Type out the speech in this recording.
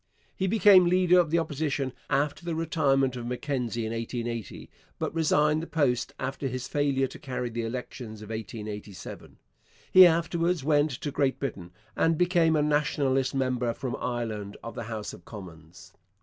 He became leader of the Opposition after the retirement of Mackenzie in 1880, but resigned the post after his failure to carry the elections of 1887. He afterwards went to Great Britain, and became a Nationalist member from Ireland of the House of Commons.